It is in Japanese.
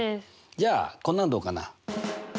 じゃあこんなのどうかな？